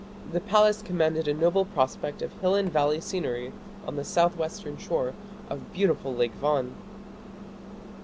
The palace commanded a noble prospect of hill and valley scenery on the south western shore of beautiful Lake Van.